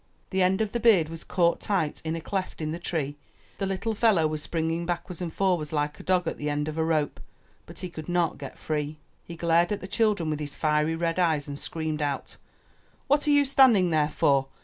The end of the beard was caught tight in a cleft in the tree and the little fellow was springing backwards and forwards like a dog at the end of a rope, but he could not get free. He glared at the children with his fiery red eyes and screamed out, ''What are you standing there for?